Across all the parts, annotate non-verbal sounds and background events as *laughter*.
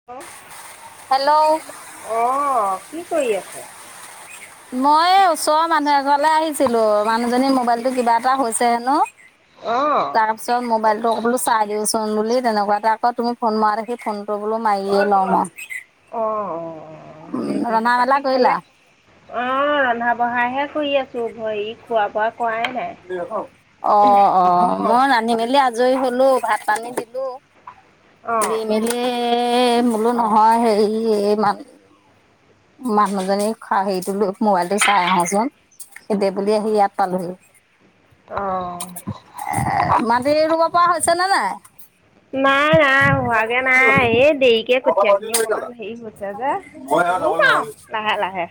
*unintelligible* Hello অ' কি কৰি আছে? মই এ ওচৰৰ মানুহ এঘৰলে আহিছিলো। মানুহজনীৰ মোবাইলটো কিবা এটা হৈছে হেনো। অ' তাৰপিছত মোবাইলটো বোলো চাই দিওঁচোন বুলি তেনেকুৱা এটা আকৌ তুমি ফোন মৰা দেখি ফোন ফোনটো বোলো মাৰিয়ে লওঁ মই। অ' অ' অ', উম ভালেই ৰন্ধা কৰিলে মেলা বাকী ভাল কৰিলা নে? অ' ৰন্ধা-বঢ়াহে কৰি আছো। হেৰি খোৱা বোৱা কৰাই নাই। অ' অ', মই ৰান্ধি মেলি আজৰি হ'লো, ভাত পানী দিলো। অঁ দি মেলি বোলো নহয় হেৰি মান মানুহজনী হেৰিটো লৈ মোবাইলটো চাই আহোচোন কেতিয় বুলি আহি অঁ ইয়াত পালোহি। অঁ *unintelligible* মাটি ৰুব পৰা হৈছে নে নাই? নাই, নাই হোৱাগে নাই এই দেৰিকে কঠীয়া দিয়ে অকমান হেৰি হৈছে যে *unintelligible* *unintelligible* লাহে, লাহে।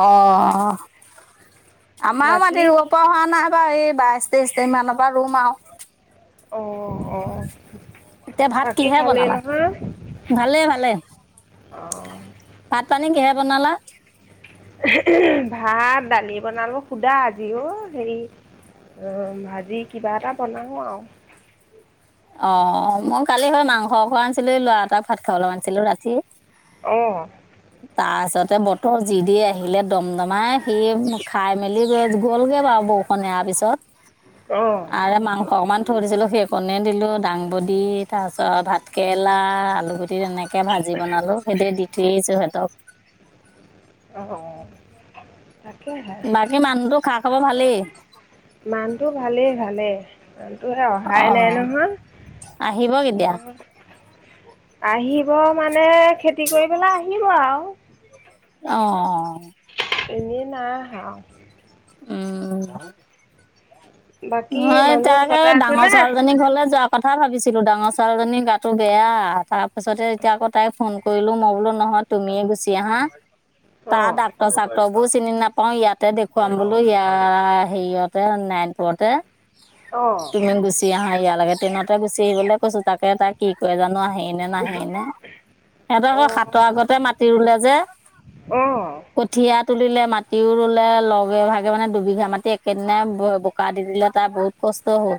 অ', আমাৰো বাকী মাটি ৰুব পৰা হোৱা নাই বাৰু এই বাইছ তেইছ তাৰিখ মানৰ পৰা ৰুম আৰু। অ'অ' এতিয়া ভাত কিহে বনালা? ভালেই, ভালে অঁ ভাত পানী কিহে বনালা? ভাত, দালি বনালোঁ সোধা আজি অ'হেৰি উম, ভাজি কিবা এটা বনালোঁ আওঁ। অ' মই কালি হয় মাংস *unintelligible* আনিছিলো এই ল'ৰা এটাক ভাত খাবলে মাতিছিলোঁ ৰাতি। অ', *inaudible* তাৰপিছতে বতৰ যি দি আহিলে দমদমাই সি খাই মেলি *unintelligible* গ'লগে বাৰু বৌ সোণ এৰা পিছত। অ', আৰে মাংস অকণমান থৈ দিছিলোঁ সেইকণ এনে দিলোঁ দাংবদি, তাৰপিচত ভাতকেৰেলা আলুগুটি তেনেক কে ভাজি বনালো সেই দে দি থৈ আহিছো সেহঁতক। অ' অ'তাকেহে। বাকী মানুহতো খা-খাবৰ ভালেই। মানুহটো ভালেই, ভালেই মানুহটো অহাই নাই অ নহয়। আহিব কেতিয়া? মই আহিব মানে খেতি কৰিবলৈ আহিব আও। অ', এনেই নাই আহা। উম, বাকী নহয় মানুহজন তাকে ঘৰতে ডাঙৰ আছেনে ছোৱালীজনী ঘৰলে যোৱা কথা ভাবিছিলোঁ ডাঙৰ ছোৱালীজনীৰ গাটো বেয়া তাৰপাছতে এতিয়া আকৌ তাই ফোন কৰিলোঁ মই বোলো নহয় তুমিয়ে গুচি আহা তাৰ অঁ ডাক ৰ-চাক্তৰবোৰ চিনি নাপাওঁ ইয়াতে দেখুৱাম বোলো ইয়াৰ হেৰিয়তে নাই পতে অ', তুমিম গুচি আহা ইয়া লাগে ট্ৰেইনতে গুচি আহিবলে কৈছো তাকে তাই কি কৰে জানো আহেই না নাহেইনে সিহঁতৰ আকৌ সাতৰ আগতে মাতি ৰুলে যে অঁ কঠীয়া তুলিলে মাটিও ৰুলে লগে ভাগে মানে দুবিঘা মাটি একেদিনাই বোকা দি দিলে তাৰ বহুত কষ্ট হো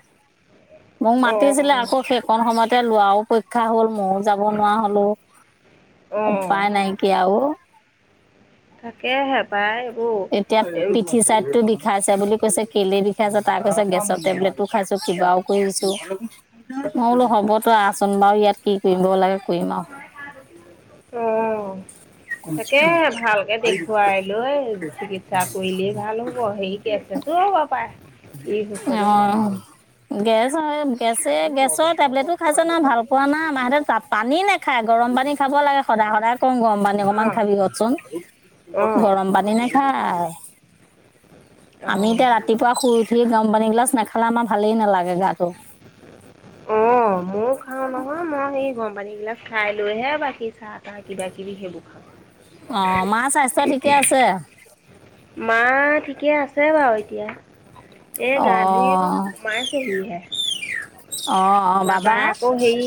মোক অঁ মাতিছিলে অঁ আকৌ শেষ কণ সময়তে লোৱাও পৰীক্ষা হ'ল মওঁ যাব নোৱাৰা হলোঁ অঁ উপায় নাইকিয়া অ'। থাকেহে পাই। এতিয়া এইবোৰ পিঠি চাইততো বিষাইছে বুলি কৈছে কেলে বিষাইছে তাই কৈছে গেছৰ টেবলেটটো খাইছো কিবাও কৰি দিছো মই বোলো হ'বতো আহচোন বাৰু ইয়াত কি কৰিব লাগে কৰিম আৰু অ'। তাকে ভালকৈ দেখুৱাই লৈ চিকিৎসা কৰিলেই ভাল হ'ব। হেৰি কি আছে চোৰ হ'ব পাৰ। অ'। অ'। গেছ গেছে গেছৰ টেবলেটো খাইছে ন' ভাল পোৱা না আমাৰহঁতে তাত পানী নেখায় গৰম পানী খাব লাগে সদায় সদায় কওঁ গৰম পানী। মান অঁ খাবি হতচোন, অ'। গৰম পানী নেখায়। আমি অ'। এতিয়া ৰাতিপুৱা শুই উঠি গৰম পানী গিলাচ নেখালে আমাৰ ভালেই নালাগে গাটো। অ' ময়ো খাও নহয়, ময়ো সেই গৰম পানী গিলাচ খাই লৈহে বাকী চাহ কিবা কিবি সেইবোৰ অ' মাৰ স্বাস্থ্য ঠিকে আছে? মা ঠিকে আছে বাৰু এতিয়া। এই গান্ধীৰ অ', মাই চেহি হে। অ', অ', বাবা? বাবাই আকৌ হেৰি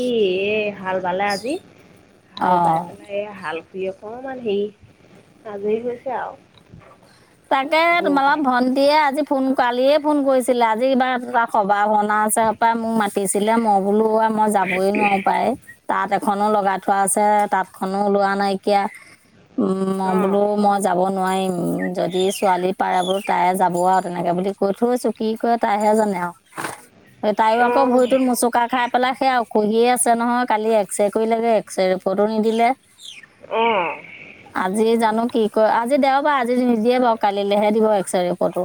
এই হাল বালে আজি, হাল বাই অ'। পেলাই এ, হাল খু অকমান হেৰি আজৰি হৈছে আৰু। তাকে গৰু তোমালোকৰ গাই। ভন্টিয়ে আজি ফোন কালিয়ে ফোন কৰিছিলে আজি কিবা তাৰ সভা খ না চৰ পৰা মোক মাতিছিলে মই বোলো মই যাবই নোৱাৰোঁ পাই। তাঁত এখনো লগাই থোৱা আছে, তাঁতখনো লোৱা নাইকিয়া। উম, মই অ', বোলো মই যাব নোৱাৰিম। যদি ছোৱালী পাৰে বোলো তাই যাব আৰু তেনেকে বুলি কৈ থৈছোঁ কি কৰে তাইহে জানে আৰু। তায়ো আকৌ অ', ভৰিটোত মোচুক কা খাই পেলাই সেয়া খুহিয়ে আছে নহয়, কালি এক্সৰে কৰি লাগে এক্সৰে ৰিপৰ্টো নিদিলে। অ'। আজি জানো কি ক, আজি দেওবাৰ আজি যিয়ে বাৰু কালিলেহে দিব এক্সৰে ৰিপৰ্টটো।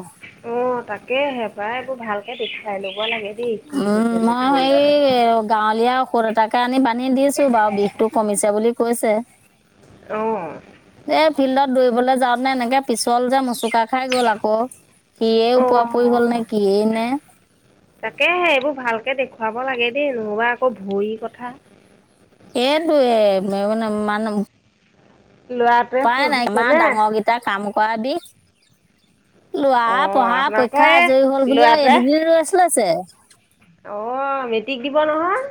অ' তাকেহে পায়বোৰ ভালকে দেখুৱাই ল'ব লাগে দেই কি উম, হৈছে ন' মই ভৰি। এই গাঁৱলীয়া ঔষধ এটাকে আনি পানী দিছোঁ, বাৰু বিষটো কমিছে বুলি কৈছে। অ'। এই ফিল্ডত দৌৰিবলৈ যাওঁতেে এনেকে পিছল যে মচুকা খাই গ'ল আকৌ। সিয়েই উপোৱা অ', পৰি গ'ল নে অ'। কিয়েই নে। তাকেহে এইবোৰ ভালকে দেখুৱাব লাগে দেই, নহবা আকৌ ভৰিৰ কথা। এইটোৱে মানে মান। *unintelligible* ল'ৰাটোৱে উপায় নাই, পঢ়িছে আমাৰ নে? ডাঙৰকেইটা কাম কৰা দিশ। ল'ৰা অ' পঢ়া আপোনালোকৰ পৰীক্ষা এই আজৰি হ'ল বুলি আৰু এ, ল'ৰাটোৱে দুদিন ৰৈ আছিলেছে। অ' মেট্ৰিক দিব নহয়।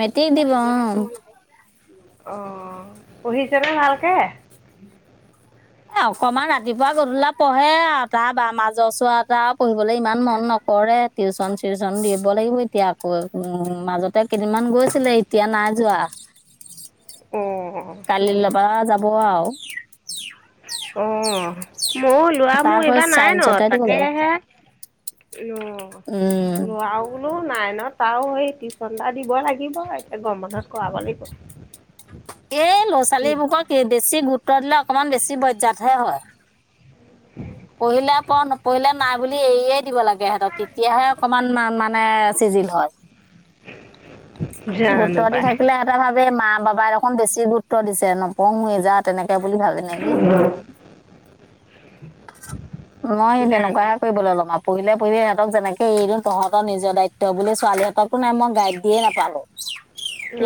মেট্ৰিক দিব অ'। অ', পঢ়িছেনে ভালকে? এ, অকমান ৰাতিপুৱা গধূলা পঢ়ে আৰু তাৰ বা মাজৰ চোৱা এটা পঢ়িবলৈ ইমান মন নকৰে। টিউচন চিউচন দিব লাগিব এতিয়া আকৌ উম, মাজতে কেইদিনমান গৈছিলে এতিয়া নাই যোৱা। অ'। কালিল পৰা যাব আৰু। অ' মই ল'ৰা তাৰ মোৰ হৈ এইবাৰ চাইন্সতে নাইনত দিব লাগিব তাকেহে। উম *unintelligible* ল'ৰাও কোনো নাইনত তাও সেই টিউচন এটা দিব লাগিব এতিয়া গম বন্ধত কৰাব লাগিব। এই ল'ৰা কি হয়? ছোৱালীবোৰকক বেছি গুৰুত্ব দিলে অকমান বেছি বজজাতহে হয়। *unintelligible* পহিলা পঢ় নপঢ়িলে নাই বুলি এৰিয়ে দিব লাগে সিহঁতক তেতিয়াহে অকমান মানে চিজিল হয়। গুৰুত্ব জানো দি পাই। থাকিলে ভাবে মা বাবাই দেখণ বেছি গুৰুত্ব দিছে নপওঁ ম যাওঁ তেনেকে বুলি ভাবেে। *inaudible* ভাবে মা বাবাই দেখণ বেছি গুৰুত্ব দিছে নপওঁ যা তেনেকে বুলি ভাবে। *inaudible* মই তেনেকুৱা জানো। কৰিবলে লগাম। পঢ়িলে পঢ়িবি সেহতক যেনেকে এদওঁ তহঁৰ নীজৰ দাইত্ব বুলি ছোৱালীহঁতকো নাই মই গাই হীয়ে নাপালো।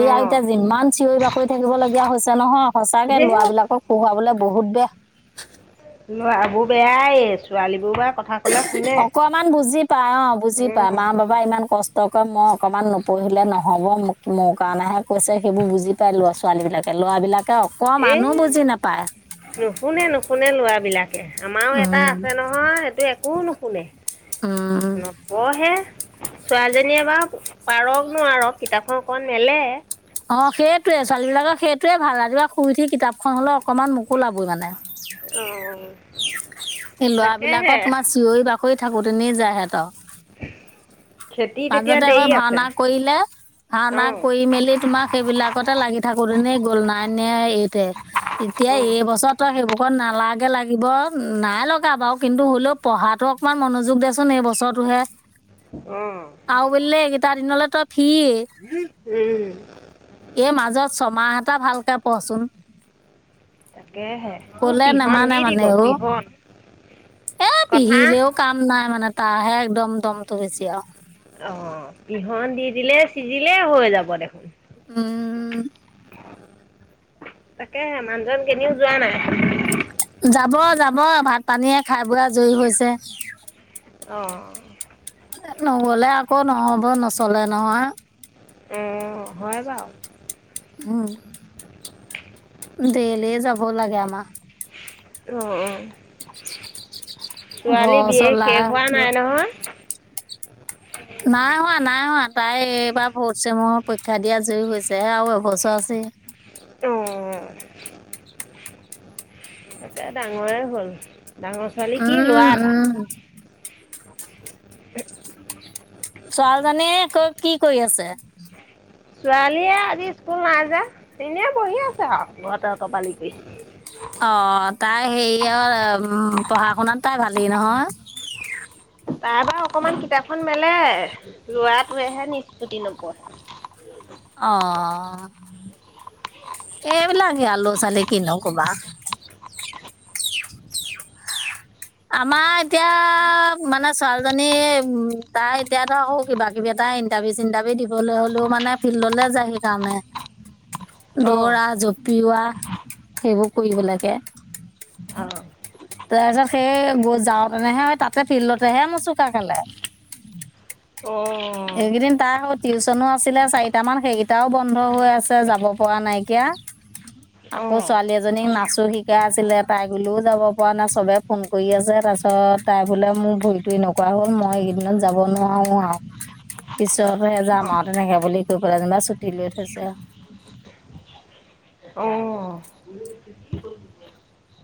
এয়া অ' এতিয়া যিমান চিঞৰি বাকৰি থাকিব লগগীয়া হৈছে নহয় সঁচাকে লৰা সেয়েহে বিলাকক পহুয়াবলে বহুত বেয়া। ল'ৰাবোৰ বেয়াই ছোৱালী বোৰ বা কথা ক'লে শুনে। ইমান বুজি পায় অ বুজি পায় অঁ মা বাবা ইমান ক ষ্ট কৰে মই অকণমান নপঢ়িলে নহ'ব মোৰ কাৰণেহে কৈছে সেইবোৰ বুজি পাই লৰা ছোৱালী বিলাকে ল'ৰাবলাকে এই অকমনো বুজি নাপায়। নুশুনে নুশুনে লৰা বিলাকে, আমাৰো এটা উম আছে নহয় সেইটো একো নুশুনে। আহ। অ হে, ছোৱালীজনীয়ে বা পাৰক নোৱাৰক কিতাপখন অকণ মেলে। অ সেইটোৱে ছোৱালী বিলাকৰ সেইটোৱে ভাল ৰাতিপুৱা শুই উঠি কিতাপখন হলে অকনমান মোকোলাবই মানে। অহ। এ লৰা বিলাকৰ তোমাৰ চিঞৰি বাকৰি থাকোতেনে যায় হেতৰ। খেতি তেতিয়া মাজতে আকৌ দেৰি আছে ভাওনা কৰিলে। ভাওনা অঁ কৰি মেলি তোমাৰ সেইবিলাকতে লাগি থাকো দেনে গ'ল নাই ন এইতে। এতিয়া অঁ এইবছৰত সেইবোৰাকত নালাগে লাগিব নাই লগা বাৰু কিন্তু হ'লেও পঢ়াটো অমান মনোযোগ দেয়চোন এই বছৰটোহে। অ। আও বোলে এই কেইটা দিনলৈ তই ফি। উম। এই মাজত ছমাহ এটা ভালকে পঢ়চোন। তাকেহে মোৰ ক'লে পিহন নেমানে দি মানে দিব অ' পিহন। এ কথা। পিহিলেও কাম নাই মানে তাহে একদম দমটো বেছি আও। অ পিহন দি দিলে চিজিলে হৈ যাব দেখোন। উম। তাকেহে মানুহজন কেনেও যোৱা নাই। যাব যাব। ভাত পানী এই খাই বৈ আজই হৈছে। অহ। নগ'লে আকৌ নহ'ব নচলে নহয়। অহ হয় বাও। উম। দেলি যাব লাগে আমাৰ। অ অ ছোৱালী ঘৰ বি এ চলা শেষ হোৱা নাই নহয়? *unintelligible* নাই হোৱা, নাই হোৱা, তাই এইবা ফ'থ চেমৰ পৰীক্ষা দি আজৰি হৈছেহে আৰু এবছৰ আছেই। অহ। এতিয়া ডাঙৰে হ'ল, ডাঙৰ ছোৱালী কি ল'ৰা উম এটা? উম ছোৱালজনীয়ে ক'ত কি কৰি আছে? ছোৱালীয়ে আজি স্কুল নাই যে, এনেই বহি আছে আৰু ঘৰতে অতপালি কৰি। অ' তাই হেৰিয় উম পঢ়া-শুনাত তাই ভালেই নহয়? তাই বাও অকমান কিতাপখন মেলে, ল'ৰাটোৱেহে নিষ্পত্তি নপঢ়ে। অ' এইবিলাকেই আ ল'ৰা - ছোৱালী কিনো ক'বা? আমাৰ এতিয়া মানে ছোৱালীজনী উম তাই এতিয়া ধৰ সৌ কিবা-কিবি এটা ইণ্টাৰভিউ - চিণ্টাৰভিউ দিবলে হ'লেও মানে ফিল্ডলে যায় সেইকাৰণে। অঁ দৌৰা, জপিওৱা সেইবোৰ কৰিবলেকে। অঁ তাৰপিছত এ, ব যাওঁতেনেহে এই তাতে ফিল্ডতেহে মোচোকা খালে। অঁ এইকেইদিন তাই সৌ, টিউচনো আছিলে চাৰিটামান, সেইগিটাও বন্ধ হৈ আছে, যাব পৰা নাইকিয়া। আকৌ অঁ ছোৱালী এজ জনীক নাচো শিকাই আছিলে, তাই গলেও যাব পৰা নাই, চবে ফোন কৰি আছে তাৰপিছত তাই বোলে মোৰ ভৰিতো এনেকুৱা হ'ল, মই এইকেইদিনত যাব নোৱাৰোঁ আউ। পিছতেহে যাম অঁ আউ, তেনেকে বুলি কৈ পেলাই যেনিবা ছুটি লৈ থৈছে। অ',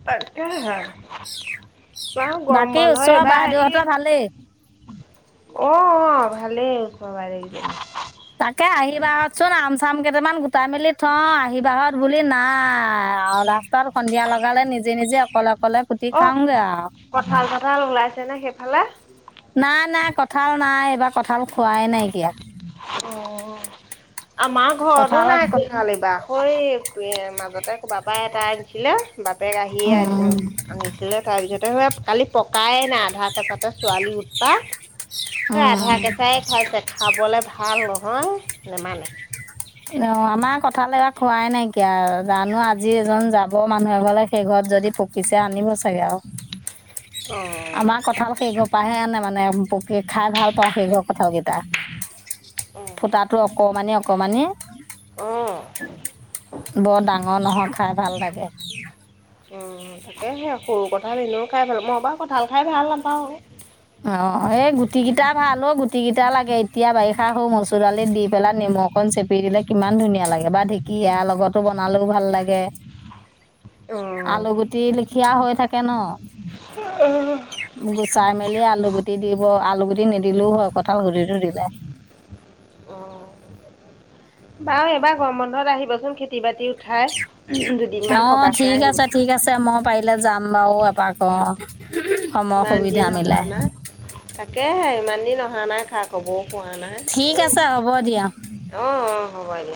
তা কেহে, বাউ গৰম বাকী বন্ধ ওচৰৰ এইবাৰ হেই *unintelligible* অ' অ, ভালেই *unintelligible* তাকে আহিবাহঁত চোন, আম - চাম কেইটামান গোটাই মেলি থওঁ, আহিবাহঁত বুলি নাই আউ লাষ্ট টত সন্ধিয়া লগালে, নিজে নিজে অকলে অকলে কুটি অ খাওঁগে আউ। কঁঠাল - চঠাল ওলাইছে নে সেইফালে? নাই, নাই কঁঠাল নাই, এইবাৰ কঁঠাল খোৱাই নাইকিয়া। অ', আমাৰ ঘৰটো কঁঠাল নাই কঁ ঠাল এইবাৰ, সৈ পি এ মাজতে ক'বাপা এটাই দিছিলে বাপেক আহিয়ে আনি এ উম আনিছিলে, তাৰপিছতে সৈয়া কালি পকাই নাই আধা কেঁচাতে ছোৱালী উৎপাত, সে আধা উম কেঁচাই খাইছে, খাবলে ভা ভাল নহয়, নেমানে। অ' আমাৰ কঁঠাল এইবাৰ খোৱাই নাইকিয়া, জানো আজি এজন যাব মানুহ এঘৰলে, সেই ঘৰত যদি পক কিছে আনিব চাগে আৰু। অ'। আমাৰ কঁঠাল সেইঘৰ পাহে আনে মানে, পকী খাই ভাল পাওঁ সেইঘৰ কঁঠাল কেইটা। অ ফুটাটো অকমানি অকমানি। অ'। বৰ ডাঙৰ নহয়, খাই ভাল লাগে। অ', তাকে সেই সৰু কঁঠাল এনেও খাই ভাল, মই বাৰু কঁঠাল খাই ভাল নাপাওঁ। অ', এই গুটিকেইটা ভাল অ', গুটিকেইটা লাগে এতিয়া বাৰিষা *unintelligible* মচুৰ দালিত দি পেলাই নেমু অকন চেপি দিলে কিমান ধুনীয়া লাগে বা ঢেঁকীয়াৰ লগতো বনালেও ভাল লাগে। আলু গুটি লেখীয়া হৈ থাকে ন'। অ গুচাই মেলি আলু গুটি দিব, আলু গুটি নিদিলেও হয় কঁঠাল গুটিটো দিব। অ'। বাৰু, এইবাৰ গৰম বন্ধত আহিবচোন খেতি- বাতি উঠাই, উহ উ য অ', ঠিক আছে ঠিক আছে, মই পাৰিলে যাম বাৰু এপাক *unintelligible* সময় ইমান সুবিধা দিন অহা মিলাই। নাই তাকেহে, ইমান দিন অহা নাই খা খবৰো পোৱা ঠিক আছে, হ'ব দিয়া। অ' অ' হ'ব দিয়ক।